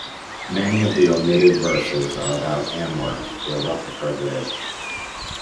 Many of the omitted verses are about Anwoth, where Rutherford lived.